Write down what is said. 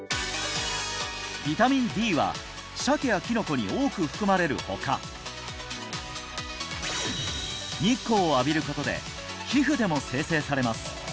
ビタミンＤはシャケやきのこに多く含まれる他日光を浴びることで皮膚でも生成されます